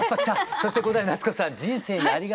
そして伍代夏子さん「人生にありがとう」